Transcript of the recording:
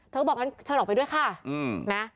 เธอก็บอกฉันออกไปด้วยค่ะนะ